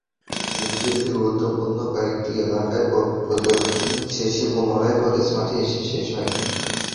মিছিলটি গুরুত্বপূর্ণ কয়েকটি এলাকা প্রদক্ষিণ শেষে পুনরায় কলেজ মাঠে এসে শেষ হয়।